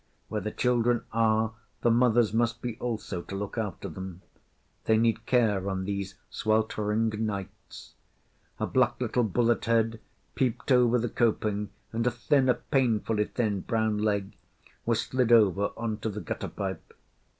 Where the children are the mothers must be also to look after them. They need care on these sweltering nights. A black little bullet head peeped over the coping, and a thin a painfully thin brown leg was slid over on to the gutter pipe.